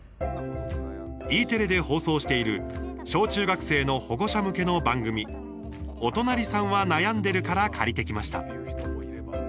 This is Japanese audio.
Ｅテレで放送している小・中学生の保護者向けの番組「おとなりさんはなやんでる。」から借りてきました。